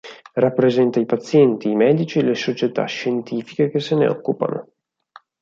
Rappresenta i pazienti, i medici e le società scientifiche che se ne occupano.